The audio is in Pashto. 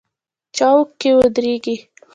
چوک کې ودرېږئ